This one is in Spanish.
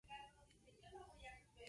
La capital es Beira.